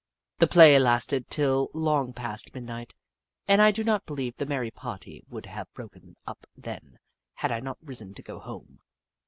The play lasted till long past midnight, and I do not believe the merry party would have broken up then had I not risen to go home.